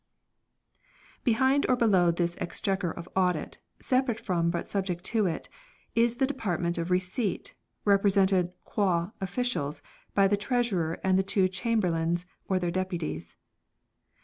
Receipt and Behind or below this Exchequer of Audit, separate from but subject to it, is the Department of the Re ceipt, represented qua Officials by the Treasurer and the two Chamberlains or their Deputies.